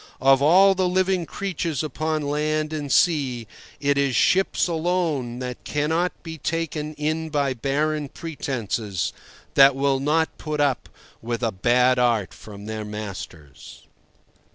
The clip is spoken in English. Of all the living creatures upon land and sea, it is ships alone that cannot be taken in by barren pretences, that will not put up with bad art from their masters.